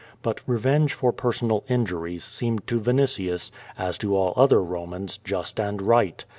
But revenge for personal injuries seemed to Vinitius, as to all other Romans, just and right.